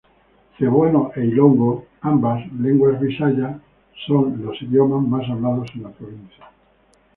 Cebuano y ilongo, ambos lenguas bisayas, son los idiomas más hablados en la provincia.